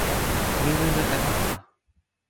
mi wile e anpa.